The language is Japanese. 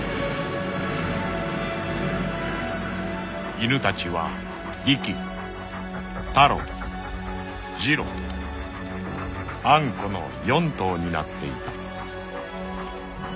［犬たちはリキタロジロアンコの４頭になっていた］